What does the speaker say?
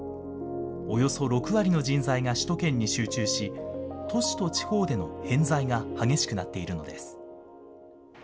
およそ６割の人材が首都圏に集中し、都市と地方での偏在が激しくなっているのです。